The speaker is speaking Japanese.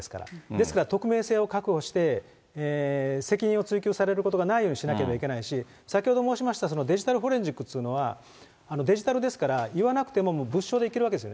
ですから匿名性を確保して、責任を追及されることがないようにしなければいけないし、先ほど申しましたデジタルフォレンジックというのは、デジタルですから言わなくても、物証で行けるわけです。